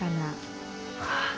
ああ。